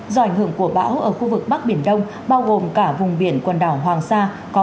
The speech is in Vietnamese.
do ảnh hưởng của bão ở khu vực bắc biển đông bao gồm cả vùng biển quần đảo hoàng sa